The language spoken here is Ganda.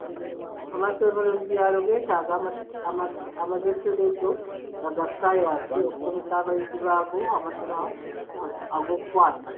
Amasomero mu byalo geetaaga amageserezo ga sayansi okusomesa abayizi baago amasomo ag'okwatako.